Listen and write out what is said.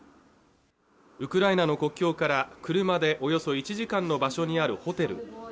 ウクライナの国境から車でおよそ１時間の場所にあるホテル